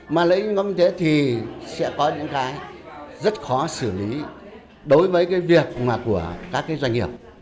mà lợi ích nhóm về kinh tế thì sẽ có những cái rất khó xử lý đối với việc của các doanh nghiệp